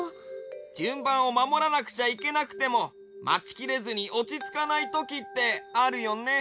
じゅんばんをまもらなくちゃいけなくてもまちきれずにおちつかないときってあるよね。